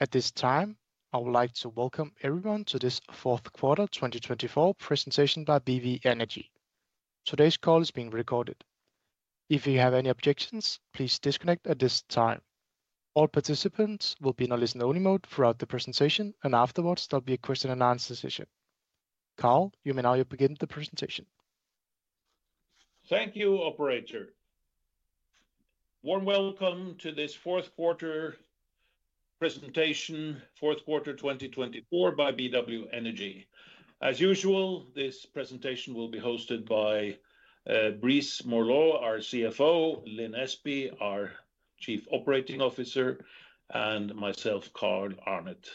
At this time, I would like to welcome everyone to this fourth quarter 2024 presentation by BW Energy. Today's call is being recorded. If you have any objections, please disconnect at this time. All participants will be in a listen-only mode throughout the presentation, and afterwards, there'll be a question-and-answer session. Carl, you may now begin the presentation. Thank you, Operator. Warm welcome to this fourth quarter presentation, fourth quarter 2024 by BW Energy. As usual, this presentation will be hosted by Brice Morlot, our CFO, Lin Espey, our Chief Operating Officer, and myself, Carl Arnet.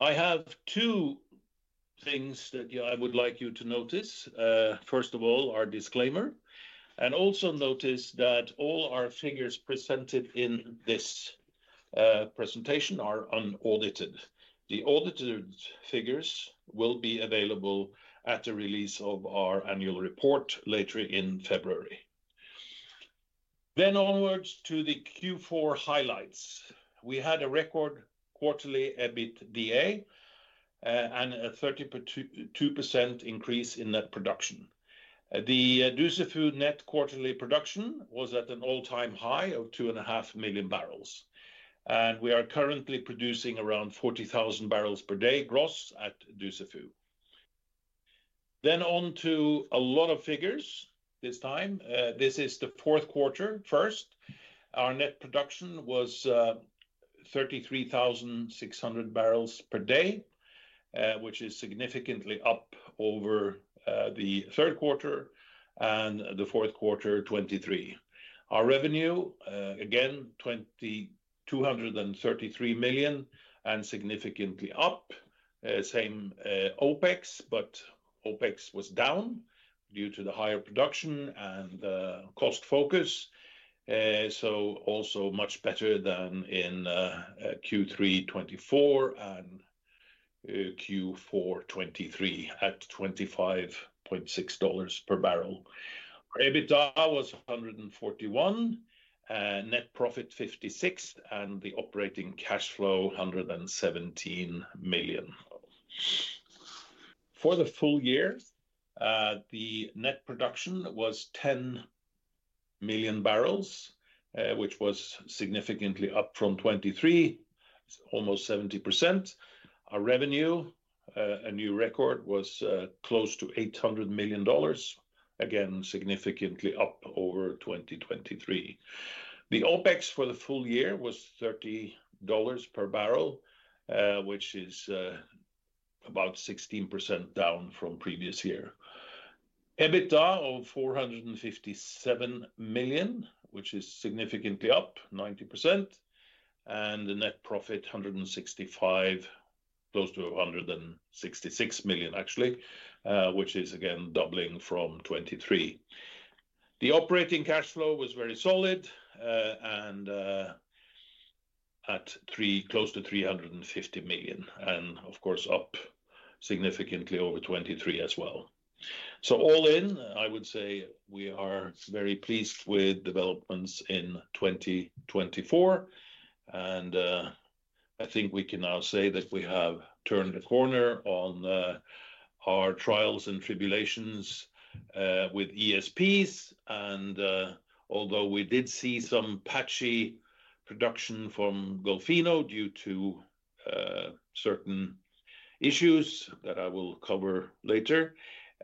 I have two things that I would like you to notice. First of all, our disclaimer. Also notice that all our figures presented in this presentation are unaudited. The audited figures will be available at the release of our annual report later in February. Onwards to the Q4 highlights. We had a record quarterly EBITDA and a 32% increase in net production. The Dussafu net quarterly production was at an all-time high of 2.5 million barrels. We are currently producing around 40,000 barrels per day gross at Dussafu. On to a lot of figures this time. This is the fourth quarter. First, our net production was 33,600 barrels per day, which is significantly up over the third quarter and the fourth quarter, 2023. Our revenue, again, $233 million and significantly up. Same OPEX, but OPEX was down due to the higher production and cost focus. So also much better than in Q3 2024 and Q4 2023 at $25.6 per barrel. Our EBITDA was $141 million, net profit $56 million, and the operating cash flow $117 million. For the full year, the net production was 10 million barrels, which was significantly up from 2023, almost 70%. Our revenue, a new record, was close to $800 million, again, significantly up over 2023. The OPEX for the full year was $30 per barrel, which is about 16% down from previous year. EBITDA of $457 million, which is significantly up, 90%. And the net profit, $165 million, close to $166 million, actually, which is again doubling from 2023. The operating cash flow was very solid and at close to $350 million, and of course, up significantly over 2023 as well, so all in, I would say we are very pleased with developments in 2024, and I think we can now say that we have turned the corner on our trials and tribulations with ESPs, and although we did see some patchy production from Golfinho due to certain issues that I will cover later,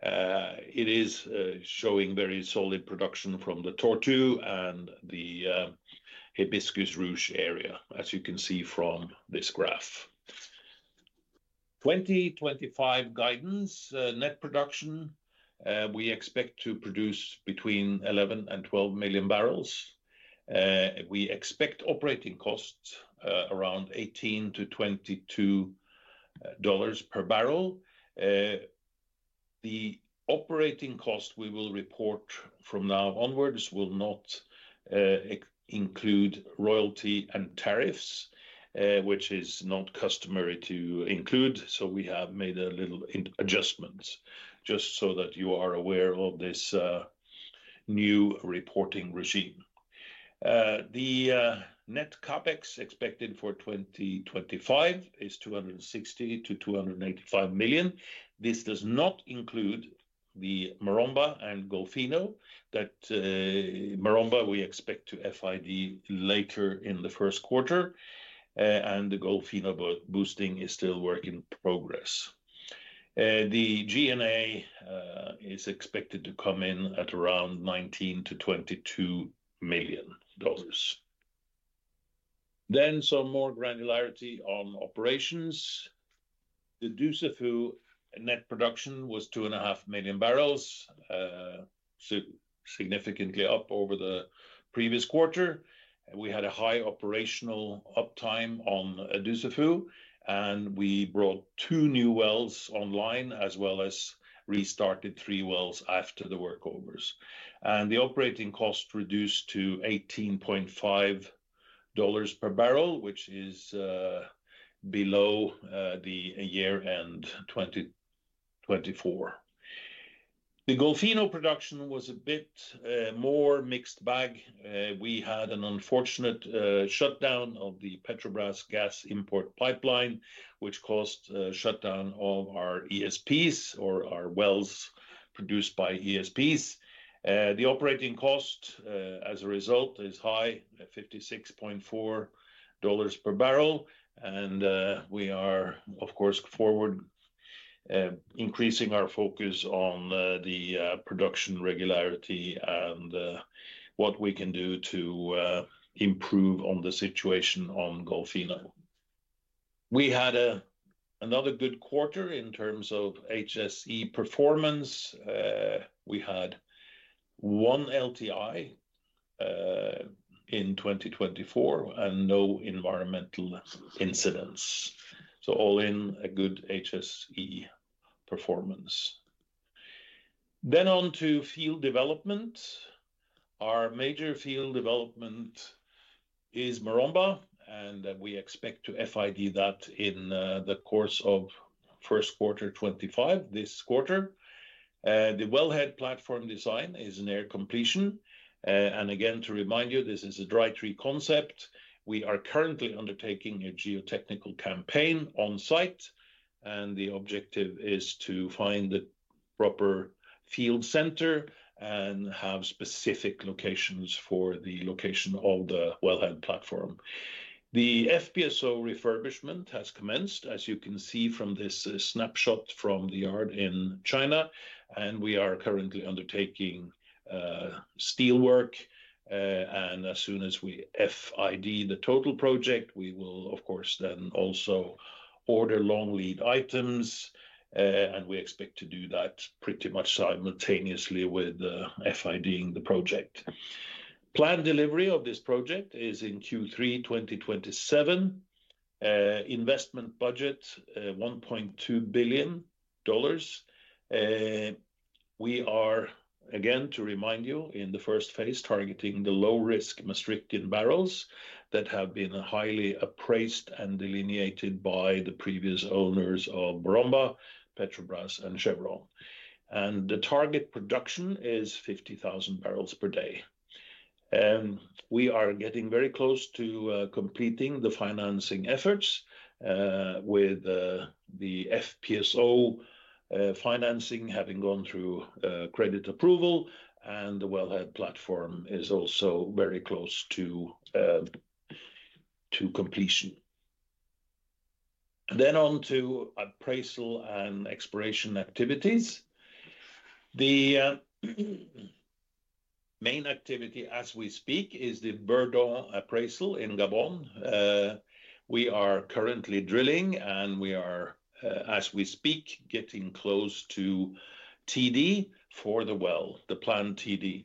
it is showing very solid production from the Tortue and the Hibiscus Ruche area, as you can see from this graph. 2025 guidance, net production, we expect to produce between 11 and 12 million barrels. We expect operating costs around $18-$22 per barrel. The operating cost we will report from now onwards will not include royalty and tariffs, which is not customary to include. We have made a little adjustment just so that you are aware of this new reporting regime. The net CAPEX expected for 2025 is $260-$285 million. This does not include the Maromba and Golfinho that Maromba we expect to FID later in the first quarter. And the Golfinho boosting is still work in progress. The G&A is expected to come in at around $19-$22 million. Then some more granularity on operations. The Dussafu net production was 2.5 million barrels, significantly up over the previous quarter. We had a high operational uptime on Dussafu, and we brought two new wells online as well as restarted three wells after the workovers. And the operating cost reduced to $18.5 per barrel, which is below the year-end 2024. The Golfinho production was a bit more mixed bag. We had an unfortunate shutdown of the Petrobras gas import pipeline, which caused a shutdown of our ESPs or our wells produced by ESPs. The operating cost as a result is high, $56.4 per barrel, and we are, of course, going forward increasing our focus on the production regularity and what we can do to improve on the situation on Golfinho. We had another good quarter in terms of HSE performance. We had one LTI in 2024 and no environmental incidents, so all in all a good HSE performance, then on to field development. Our major field development is Maromba, and we expect to FID that in the course of first quarter 2025 this quarter. The wellhead platform design is near completion, and again, to remind you, this is a dry tree concept. We are currently undertaking a geotechnical campaign on site, and the objective is to find the proper field center and have specific locations for the location of the wellhead platform. The FPSO refurbishment has commenced, as you can see from this snapshot from the yard in China, and we are currently undertaking steel work. And as soon as we FID the total project, we will, of course, then also order long lead items. And we expect to do that pretty much simultaneously with FIDing the project. Planned delivery of this project is in Q3 2027. Investment budget, $1.2 billion. We are, again, to remind you, in the first phase, targeting the low-risk Maastrichtian barrels that have been highly appraised and delineated by the previous owners of Maromba, Petrobras, and Chevron, and the target production is 50,000 barrels per day. We are getting very close to completing the financing efforts with the FPSO financing having gone through credit approval, and the wellhead platform is also very close to completion, then on to appraisal and exploration activities. The main activity as we speak is the Bourdon appraisal in Gabon. We are currently drilling, and we are, as we speak, getting close to TD for the well, the planned TD.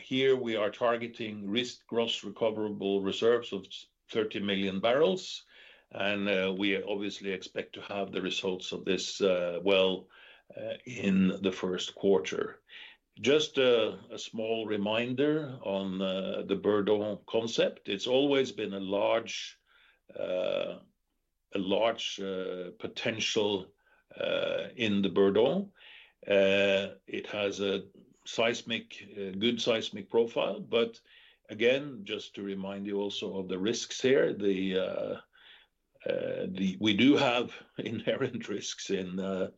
Here we are targeting risk gross recoverable reserves of 30 million barrels, and we obviously expect to have the results of this well in the first quarter. Just a small reminder on the Bourdon concept. It's always been a large potential in the Bourdon. It has a seismic, good seismic profile. But again, just to remind you also of the risks here, we do have inherent risks in the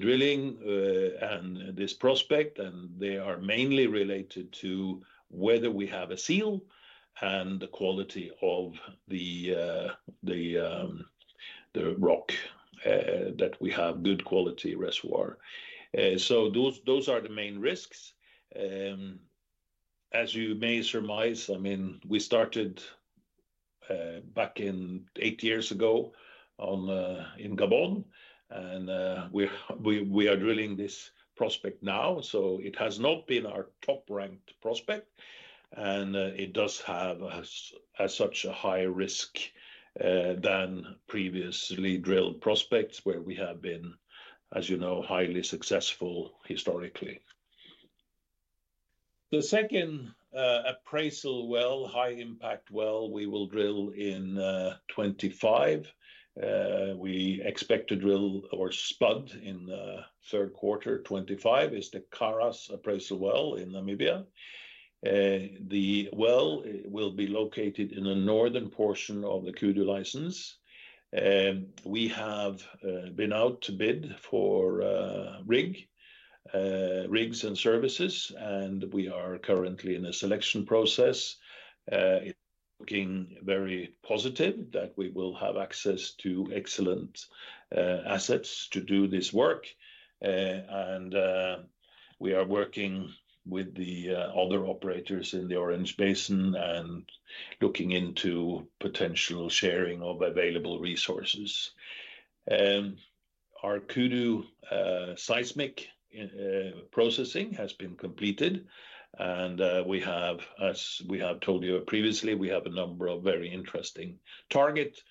drilling and this prospect, and they are mainly related to whether we have a seal and the quality of the rock that we have, good quality reservoir. So those are the main risks. As you may surmise, I mean, we started back eight years ago in Gabon, and we are drilling this prospect now. So it has not been our top-ranked prospect, and it does have a higher risk than previously drilled prospects where we have been, as you know, highly successful historically. The second appraisal well, high-impact well, we will drill in 2025. We expect to drill or spud the Karas appraisal well in third quarter 2025 in Namibia. The well will be located in the northern portion of the Kudu license. We have been out to bid for rigs and services, and we are currently in a selection process. It's looking very positive that we will have access to excellent assets to do this work, and we are working with the other operators in the Orange Basin and looking into potential sharing of available resources. Our Kudu seismic processing has been completed, and we have, as we have told you previously, we have a number of very interesting targets,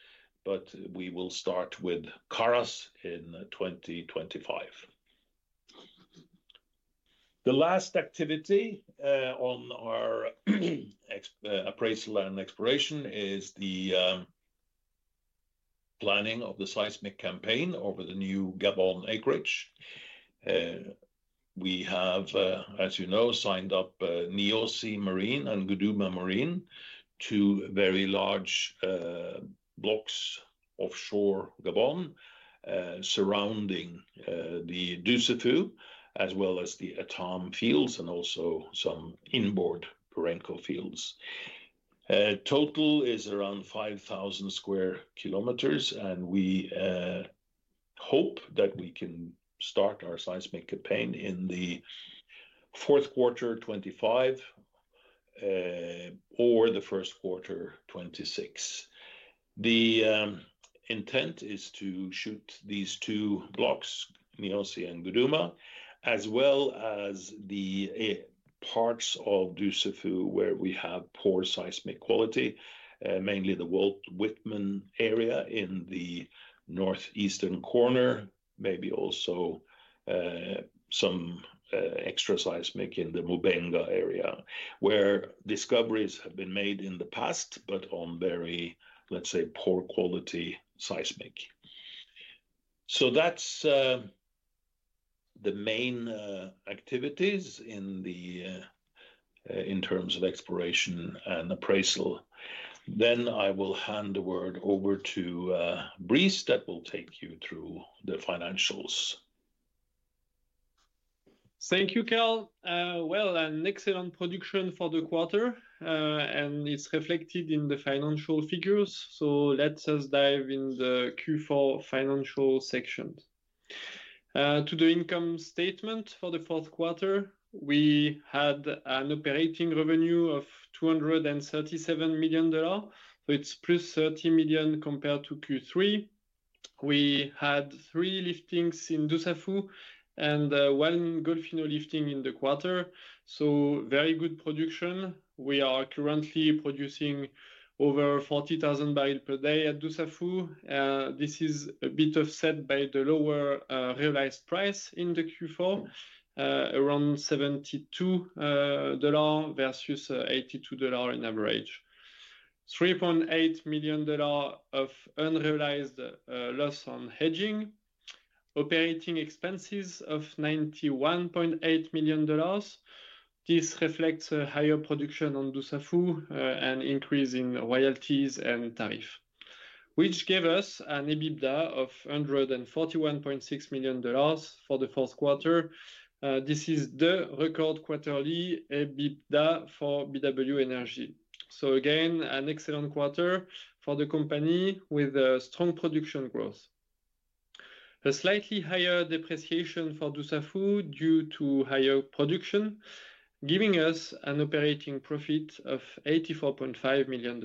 but we will start with Karas in 2025. The last activity on our appraisal and exploration is the planning of the seismic campaign over the new Gabon acreage. We have, as you know, signed up Niosi Marin and Guduma Marin to very large blocks offshore Gabon surrounding the Dussafu, as well as the Etame fields and also some inboard Perenco fields. Total is around 5,000 sq km, and we hope that we can start our seismic campaign in the fourth quarter 2025 or the first quarter 2026. The intent is to shoot these two blocks, Niosi and Guduma, as well as the parts of Dussafu where we have poor seismic quality, mainly the Walt Whitman area in the northeastern corner, maybe also some extra seismic in the Mubenga area where discoveries have been made in the past, but on very, let's say, poor quality seismic. So that's the main activities in terms of exploration and appraisal. Then I will hand the word over to Brice that will take you through the financials. Thank you, Carl. Well, an excellent production for the quarter, and it's reflected in the financial figures. So let's dive in the Q4 financial section. To the income statement for the fourth quarter, we had an operating revenue of $237 million. So it's plus $30 million compared to Q3. We had three liftings in Dussafu and one Golfinho lifting in the quarter. So very good production. We are currently producing over 40,000 barrels per day at Dussafu. This is a bit offset by the lower realized price in the Q4, around $72 versus $82 in average. $3.8 million of unrealized loss on hedging. Operating expenses of $91.8 million. This reflects a higher production on Dussafu and increase in royalties and tariffs, which gave us an EBITDA of $141.6 million for the fourth quarter. This is the record quarterly EBITDA for BW Energy. So again, an excellent quarter for the company with strong production growth. A slightly higher depreciation for Dussafu due to higher production, giving us an operating profit of $84.5 million.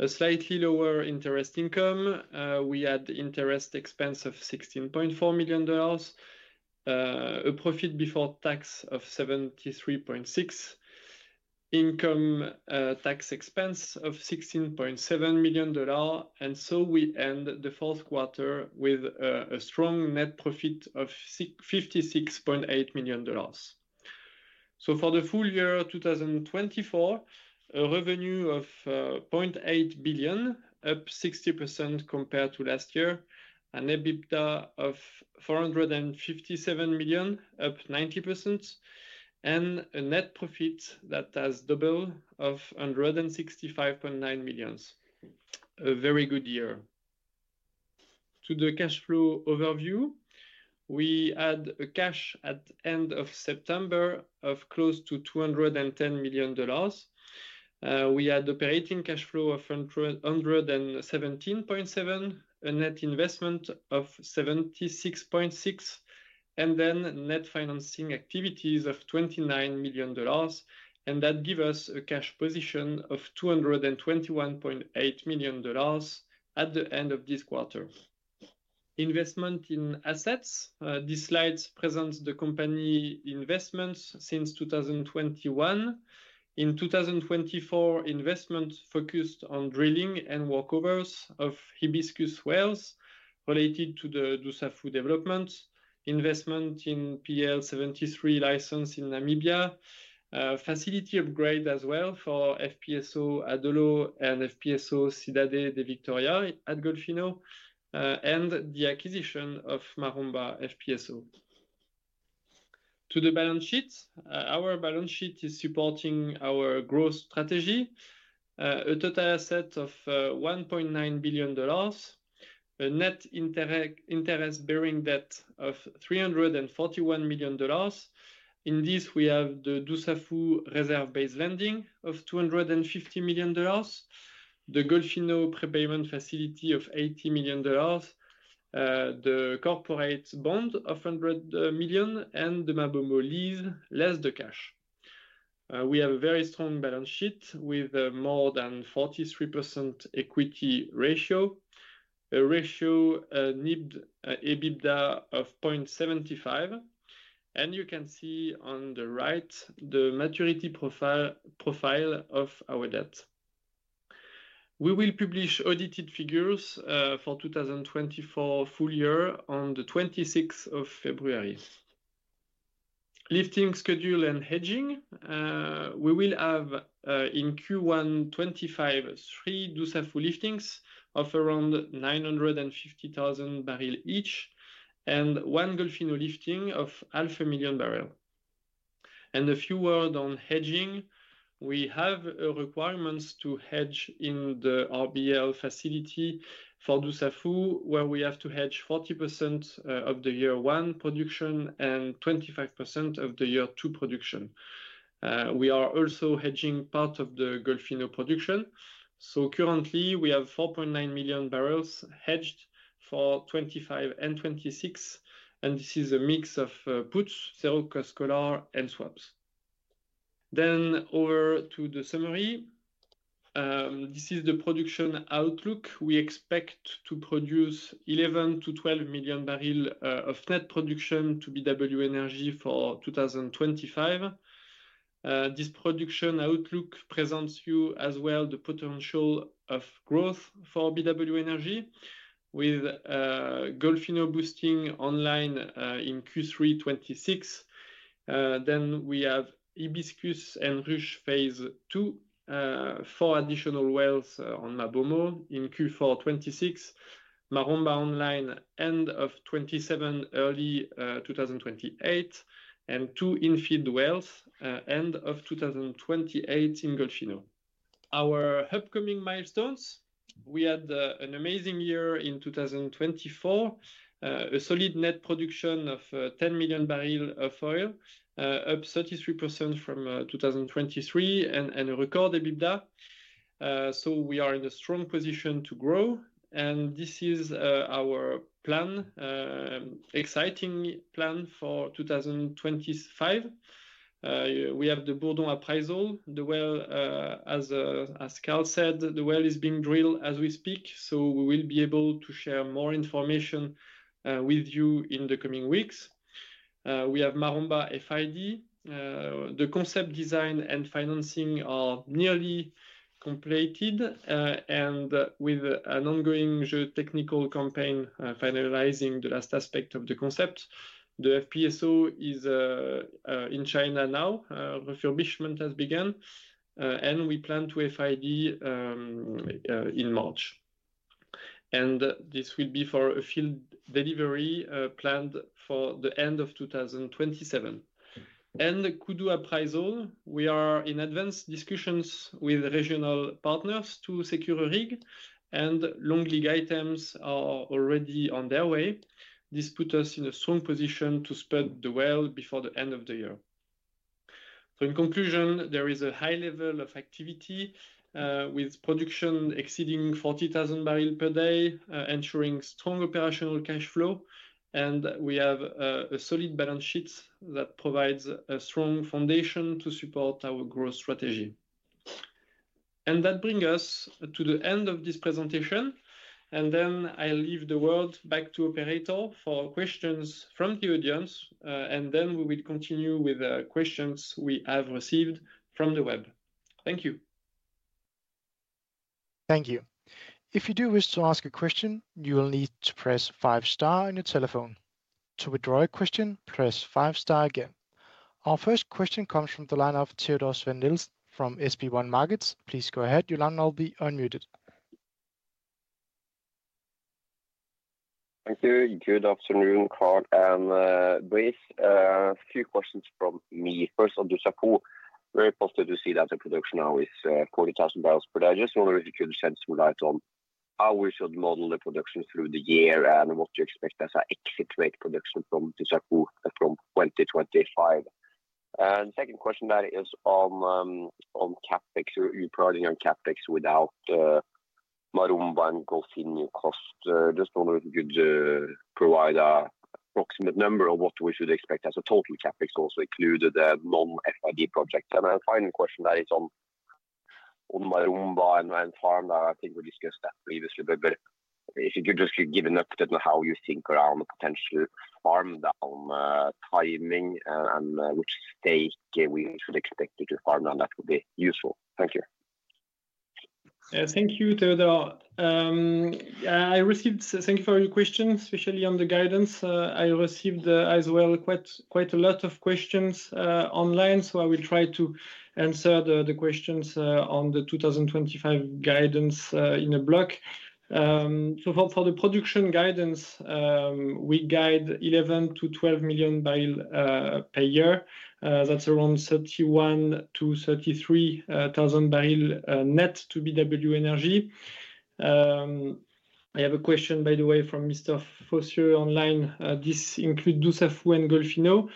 A slightly lower interest income. We had interest expense of $16.4 million, a profit before tax of $73.6 million, income tax expense of $16.7 million. And so we end the fourth quarter with a strong net profit of $56.8 million. So for the full year 2024, a revenue of $0.8 billion, up 60% compared to last year, an EBITDA of $457 million, up 90%, and a net profit that has doubled of $165.9 million. A very good year. To the cash flow overview, we had a cash at the end of September of close to $210 million. We had operating cash flow of $117.7, a net investment of $76.6, and then net financing activities of $29 million. And that gives us a cash position of $221.8 million at the end of this quarter. Investment in assets. This slide presents the company investments since 2021. In 2024, investment focused on drilling and workovers of Hibiscus wells related to the Dussafu development. Investment in PL73 license in Namibia. Facility upgrade as well for FPSO Adolo and FPSO Cidade de Vitória at Golfinho, and the acquisition of Maromba FPSO. To the balance sheet. Our balance sheet is supporting our growth strategy. A total asset of $1.9 billion, a net interest-bearing debt of $341 million. In this, we have the Dussafu reserve-based lending of $250 million, the Golfinho prepayment facility of $80 million, the corporate bond of $100 million, and the Mabomo lease less the cash. We have a very strong balance sheet with more than 43% equity ratio, a net debt to EBITDA ratio of 0.75. And you can see on the right the maturity profile of our debt. We will publish audited figures for 2024 full year on the 26th of February. Lifting schedule and hedging. We will have in Q1 2025 three Dussafu liftings of around 950,000 barrels each and one Golfinho lifting of 500,000 barrels. A few words on hedging. We have requirements to hedge in the RBL facility for Dussafu, where we have to hedge 40% of the year one production and 25% of the year two production. We are also hedging part of the Golfinho production. Currently, we have 4.9 million barrels hedged for 2025 and 2026. And this is a mix of puts, zero cost collar, and swaps. Over to the summary. This is the production outlook. We expect to produce 11-12 million barrels of net production to BW Energy for 2025. This production outlook presents you as well the potential of growth for BW Energy with Golfinho boosting online in Q3 2026. Then we have Hibiscus and Ruche phase II for additional wells on Mabomo in Q4 2026, Maromba online end of 2027 early 2028, and two infill wells end of 2028 in Golfinho. Our upcoming milestones. We had an amazing year in 2024, a solid net production of 10 million barrels of oil, up 33% from 2023, and a record EBITDA. So we are in a strong position to grow. And this is our plan, exciting plan for 2025. We have the Bourdon appraisal. The well, as Carl said, the well is being drilled as we speak. So we will be able to share more information with you in the coming weeks. We have Maromba FID. The concept design and financing are nearly completed and with an ongoing technical campaign finalizing the last aspect of the concept. The FPSO is in China now. Refurbishment has begun. We plan to FID in March. This will be for a field delivery planned for the end of 2027. Kudu appraisal. We are in advanced discussions with regional partners to secure rig. Long lead items are already on their way. This puts us in a strong position to spud the well before the end of the year. In conclusion, there is a high level of activity with production exceeding 40,000 barrels per day, ensuring strong operational cash flow. We have a solid balance sheet that provides a strong foundation to support our growth strategy. That brings us to the end of this presentation. Then I'll hand the word back to Operator for questions from the audience. We will continue with questions we have received from the web. Thank you. Thank you. If you do wish to ask a question, you will need to press five star on your telephone. To withdraw a question, press five star again. Our first question comes from the line of Teodor Sveen-Nilsen from SpareBank 1 Markets. Please go ahead. Your line will be unmuted. Thank you. Good afternoon, Carl and Brice. A few questions from me. First, on Dussafu, very positive to see that the production now is 40,000 barrels per day. Just wondering if you could shed some light on how we should model the production through the year and what to expect as an exit rate production from Dussafu from 2025? And the second question there is on CapEx. You are prioritizing on CapEx without Maromba and Golfinho cost. Just wondering if you could provide an approximate number of what we should expect as a total CapEx also included non-FID projects? Then a final question that is on Maromba and farm that I think we discussed that previously a bit. But if you could just give an update on how you think around the potential farm down timing and which stake we should expect to farm down, that would be useful? Thank you. Thank you, Teodor. I received thank you for your questions, especially on the guidance. I received as well quite a lot of questions online. So I will try to answer the questions on the 2025 guidance in a block. So for the production guidance, we guide 11-12 million barrels per year. That's around 31-33,000 barrels net to BW Energy. I have a question, by the way, from Mr. Fosser online. This includes Dussafu and Golfinho.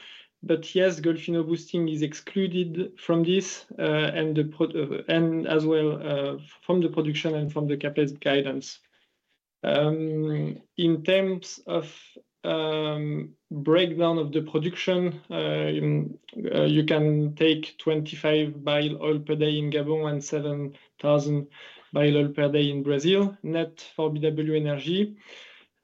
Yes, Golfinho boosting is excluded from this and as well from the production and from the CapEx guidance. In terms of breakdown of the production, you can take 25,000 barrels oil per day in Gabon and 7,000 barrels oil per day in Brazil net for BW Energy.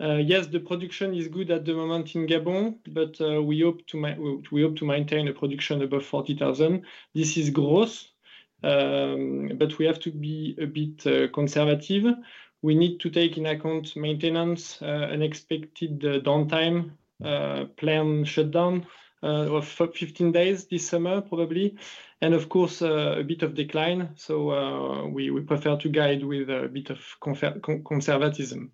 Yes, the production is good at the moment in Gabon, but we hope to maintain a production above 40,000. This is gross, but we have to be a bit conservative. We need to take into account maintenance, unexpected downtime, planned shutdown of 15 days this summer probably, and of course, a bit of decline. So we prefer to guide with a bit of conservatism.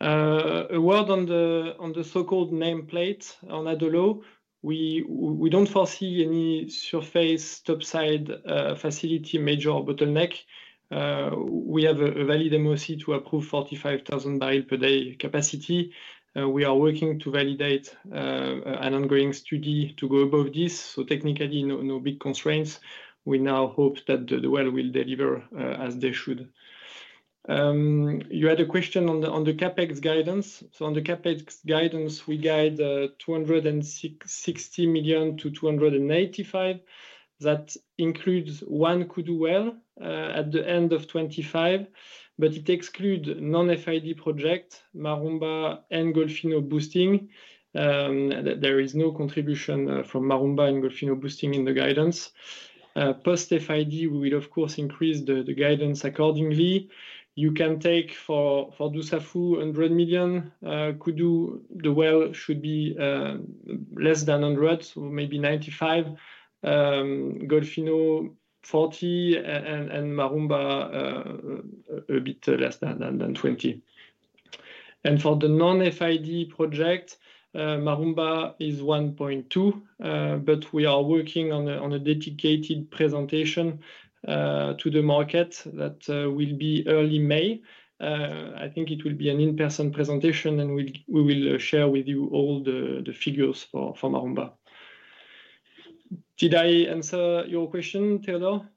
A word on the so-called nameplate on Adolo. We don't foresee any surface topside facility major bottleneck. We have a valid MOC to approve 45,000 barrels per day capacity. We are working to validate an ongoing study to go above this. So technically, no big constraints. We now hope that the well will deliver as they should. You had a question on the CapEx guidance. So on the CapEx guidance, we guide $260 million-$285 million. That includes one Kudu well at the end of 2025, but it excludes non-FID projects, Maromba and Golfinho boosting. There is no contribution from Maromba and Golfinho boosting in the guidance. Post-FID, we will, of course, increase the guidance accordingly. You can take for Dussafu $100 million. Kudu, the well should be less than $100 million, so maybe $95 million. Golfinho, $40 million, and Maromba a bit less than $20 million. And for the non-FID project, Maromba is $1.2 billion, but we are working on a dedicated presentation to the market that will be early May. I think it will be an in-person presentation, and we will share with you all the figures for Maromba. Did I answer your question, Teodor?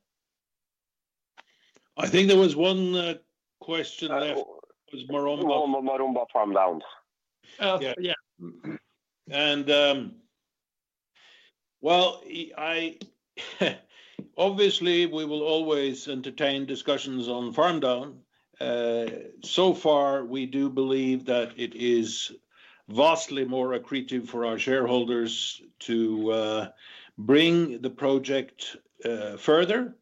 I think there was one question left with Maromba. Maromba farm down. Yeah. Well, obviously, we will always entertain discussions on farm down. So far, we do believe that it is vastly more accretive for our shareholders to bring the project further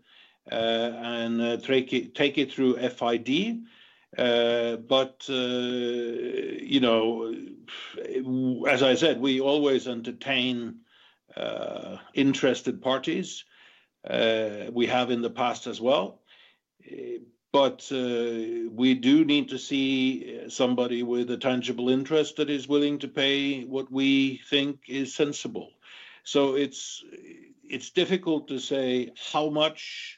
and take it through FID. As I said, we always entertain interested parties. We have in the past as well. We do need to see somebody with a tangible interest that is willing to pay what we think is sensible. It's difficult to say how much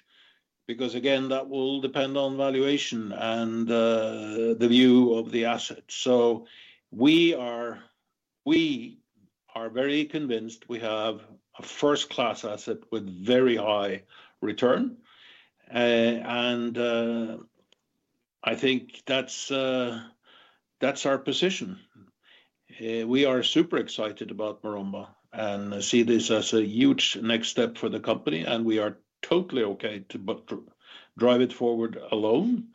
because, again, that will depend on valuation and the view of the asset. We are very convinced we have a first-class asset with very high return. I think that's our position. We are super excited about Maromba and see this as a huge next step for the company. And we are totally okay to drive it forward alone.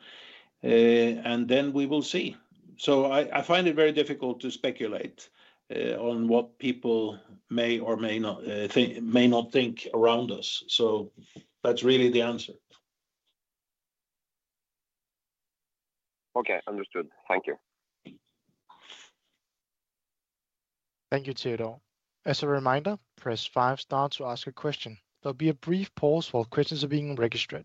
And then we will see. So I find it very difficult to speculate on what people may or may not think around us. So that's really the answer. Okay, understood. Thank you. Thank you, Teodor. As a reminder, press five star to ask a question. There'll be a brief pause while questions are being registered.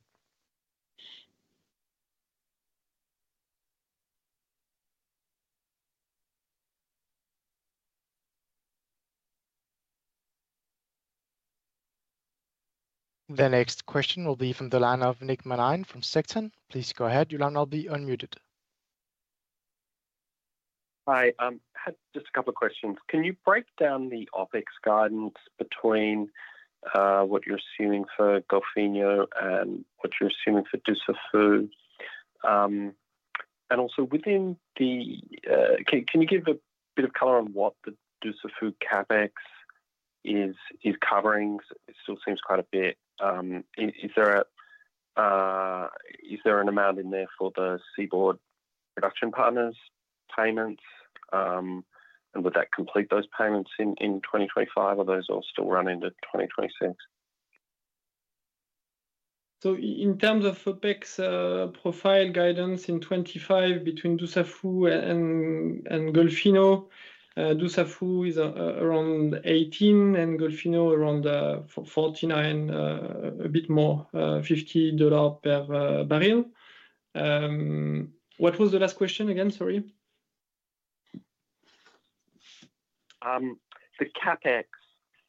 The next question will be from the line of Nick Manine from Secton. Please go ahead. Your line will be unmuted. Hi, just a couple of questions. Can you break down the OPEX guidance between what you're assuming for Golfinho and what you're assuming for Dussafu? And also within the, can you give a bit of color on what the Dussafu CapEx is covering? It still seems quite a bit. Is there an amount in there for the Seaboard Production Partners' payments? And would that complete those payments in 2025, or are those all still running to 2026? In terms of OPEX profile guidance in 2025 between Dussafu and Golfinho, Dussafu is around $18 and Golfinho around $49, a bit more, $50 per barrel. What was the last question again? Sorry. The CapEx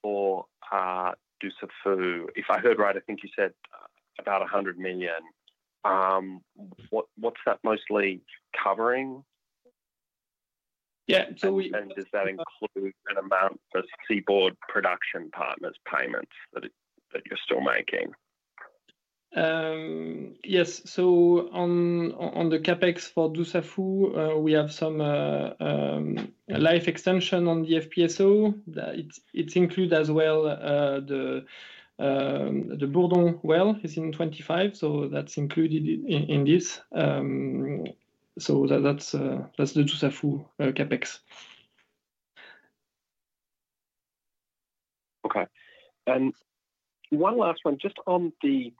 for Dussafu, if I heard right, I think you said about $100 million. What's that mostly covering? Yeah. And does that include an amount for Seaboard Production Partners' payments that you're still making? Yes. So on the CapEx for Dussafu, we have some life extension on the FPSO. It's included as well. The Bourdon well is in 2025, so that's included in this. So that's the Dussafu CapEx. Okay. One last one, just on the,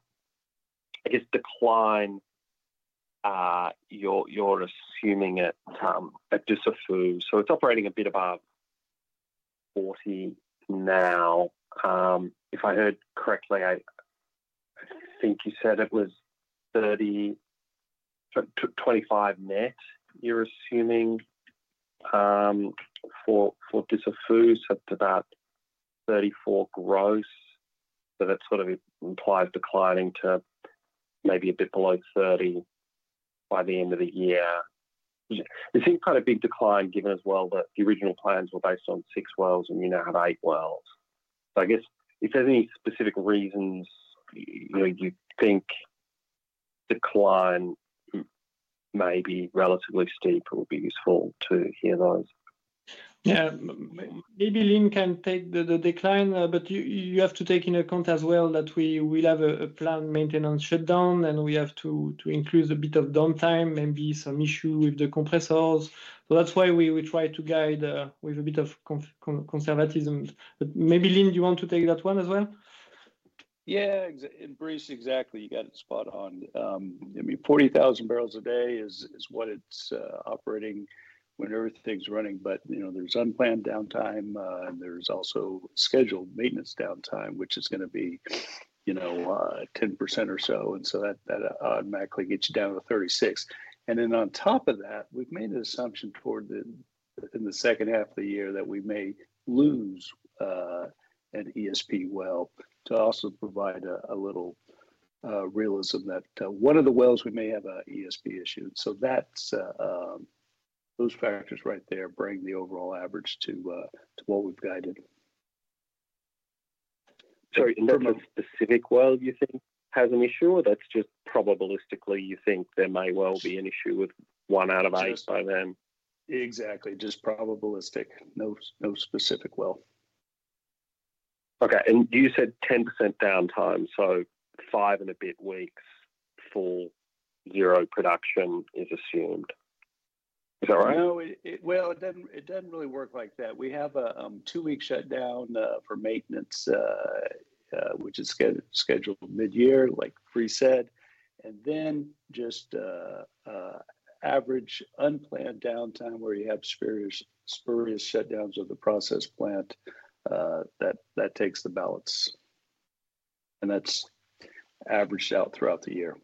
I guess, decline, you're assuming at Dussafu, so it's operating a bit above 40 now. If I heard correctly, I think you said it was 25 net. You're assuming for Dussafu set to about 34 gross. So that sort of implies declining to maybe a bit below 30 by the end of the year. It seems quite a big decline given as well that the original plans were based on six wells and you now have eight wells. So I guess if there's any specific reasons you think decline may be relatively steep, it would be useful to hear those? Yeah. Maybe Lin can take the decline, but you have to take into account as well that we will have a planned maintenance shutdown, and we have to include a bit of downtime, maybe some issue with the compressors. So that's why we try to guide with a bit of conservatism. But maybe Lin, do you want to take that one as well? Yeah. And Brice, exactly. You got it spot on. I mean, 40,000 barrels a day is what it's operating when everything's running. But there's unplanned downtime. There's also scheduled maintenance downtime, which is going to be 10% or so. And so that automatically gets you down to 36. And then on top of that, we've made an assumption toward the second half of the year that we may lose an ESP well to also provide a little realism that one of the wells we may have an ESP issue. So those factors right there bring the overall average to what we've guided. Sorry, is there no specific well you think has an issue, or that's just probabilistically you think there may well be an issue with one out of eight by then? Exactly. Just probabilistic. No specific well. Okay. And you said 10% downtime. So five and a bit weeks for zero production is assumed. Is that right? No. Well, it doesn't really work like that. We have a two-week shutdown for maintenance, which is scheduled mid-year, like Brice said. And then just average unplanned downtime where you have spurious shutdowns of the process plant that takes the balance. And that's averaged out throughout the year.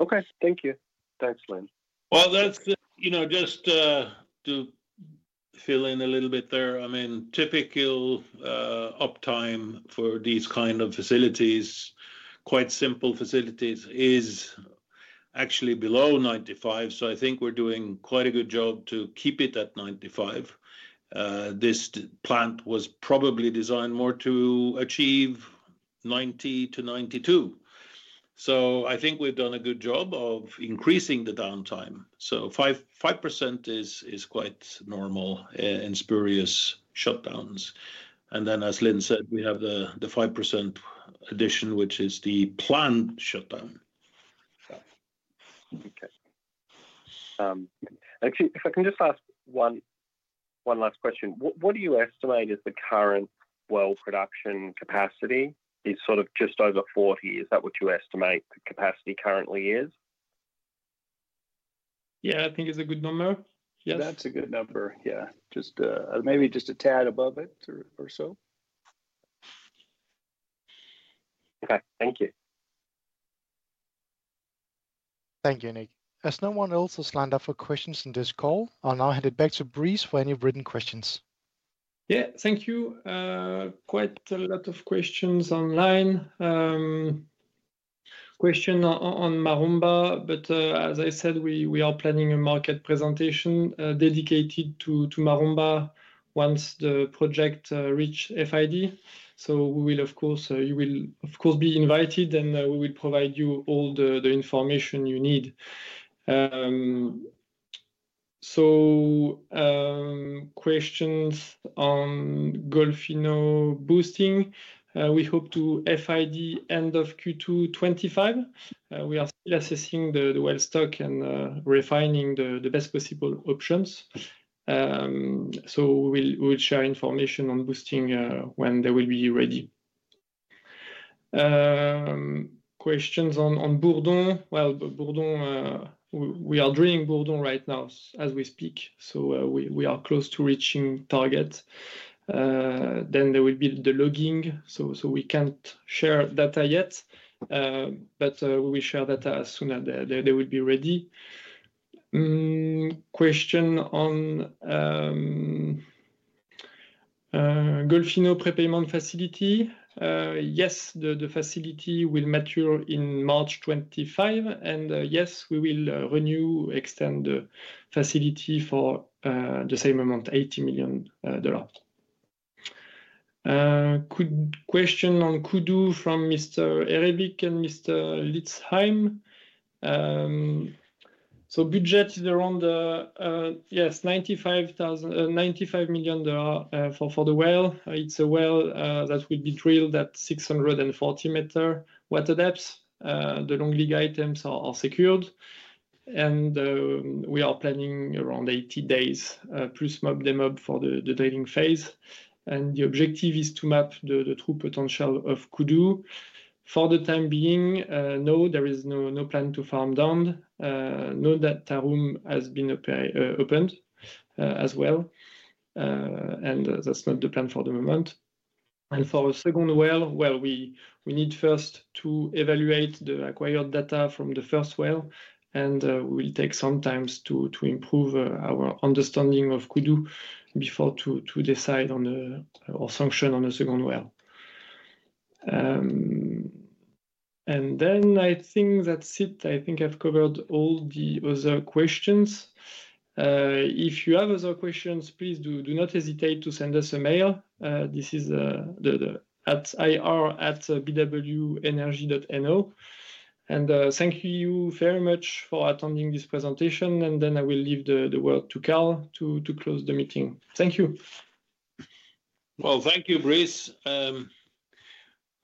Okay. Thank you. Thanks, Lin. Well, just to fill in a little bit there, I mean, typical uptime for these kind of facilities, quite simple facilities, is actually below 95%. So I think we're doing quite a good job to keep it at 95%. This plant was probably designed more to achieve 90%-92%. So I think we've done a good job of increasing the downtime. So 5% is quite normal in spurious shutdowns. And then, as Lin said, we have the 5% addition, which is the planned shutdown. Okay. Actually, if I can just ask one last question. What do you estimate is the current well production capacity? It's sort of just over 40. Is that what you estimate the capacity currently is? Yeah, I think it's a good number. Yes. That's a good number. Yeah. Maybe just a tad above it or so. Okay. Thank you. Thank you, Nick. As no one else has lined up for questions in this call, I'll now hand it back to Brice for any written questions. Yeah. Thank you. Quite a lot of questions online. Question on Maromba, but as I said, we are planning a market presentation dedicated to Maromba once the project reaches FID. So we will, of course, you will, of course, be invited, and we will provide you all the information you need. So questions on Golfinho boosting. We hope to FID end of Q2 2025. We are still assessing the well stock and refining the best possible options. So we will share information on boosting when they will be ready. Questions on Bourdon. Well, we are drilling Bourdon right now as we speak. So we are close to reaching target. Then there will be the logging. So we can't share data yet, but we will share data as soon as they will be ready. Question on Golfinho prepayment facility. Yes, the facility will mature in March 2025. And yes, we will renew, extend the facility for the same amount, $80 million. Question on Kudu from Mr. Erebic and Mr. Litzheim. So budget is around, yes, $95 million for the well. It's a well that will be drilled at 640-meter water depth. The long lead items are secured. And we are planning around 80 days plus mob and demob for the drilling phase. And the objective is to map the true potential of Kudu. For the time being, no, there is no plan to farm down. Know that data room has been opened as well. And that's not the plan for the moment. And for a second well, well, we need first to evaluate the acquired data from the first well. And we will take some time to improve our understanding of Kudu before to decide on or sanction on a second well. I think that's it. I think I've covered all the other questions. If you have other questions, please do not hesitate to send us a mail. This is at ir@bwenergy.no. Thank you very much for attending this presentation. I will leave the word to Carl to close the meeting. Thank you. Thank you, Brice.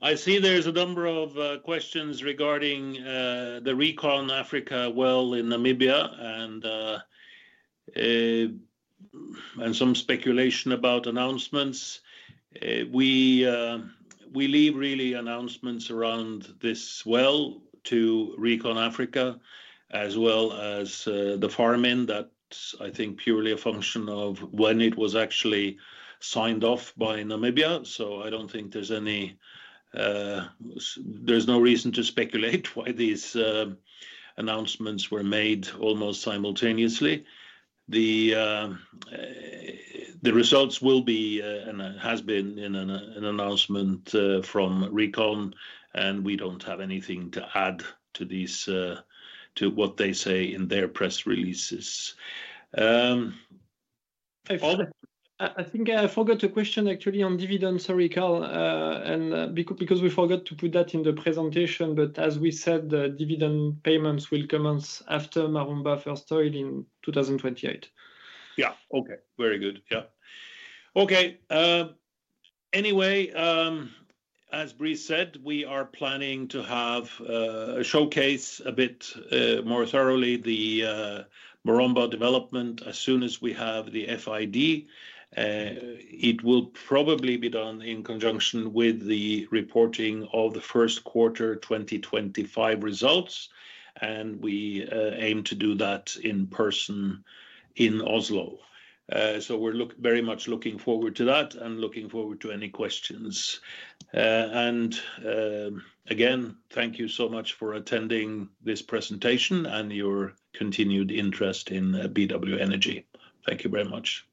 I see there's a number of questions regarding the Recon Africa well in Namibia and some speculation about announcements. We leave really announcements around this well to Recon Africa, as well as the farming. That's, I think, purely a function of when it was actually signed off by Namibia. I don't think there's no reason to speculate why these announcements were made almost simultaneously. The results will be and has been in an announcement from Recon. We don't have anything to add to what they say in their press releases. I think I forgot a question actually on dividends, sorry, Carl. Because we forgot to put that in the presentation, but as we said, dividend payments will commence after Maromba first oil in 2028. Yeah. Okay. Very good. Yeah. Okay. Anyway, as Brice said, we are planning to showcase a bit more thoroughly the Maromba development as soon as we have the FID. It will probably be done in conjunction with the reporting of the first quarter 2025 results. We aim to do that in person in Oslo. We're very much looking forward to that and looking forward to any questions. Again, thank you so much for attending this presentation and your continued interest in BW Energy. Thank you very much.